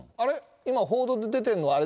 今、報道に出てるのは、あれ、